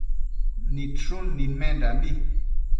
Nidshun nidmenbi